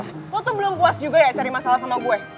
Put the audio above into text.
aku tuh belum puas juga ya cari masalah sama gue